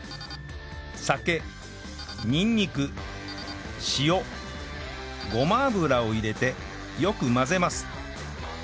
酒にんにく塩ごま油を入れてよく混ぜます